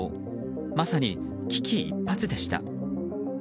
まさに危機一髪でした。